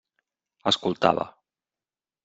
Escoltava.